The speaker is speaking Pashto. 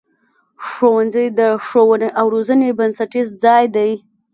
ښوونځی د ښوونې او روزنې بنسټیز ځای دی.